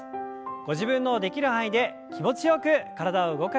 ご自分のできる範囲で気持ちよく体を動かしていきましょう。